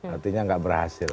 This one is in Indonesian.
artinya gak berhasil